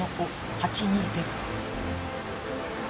８２０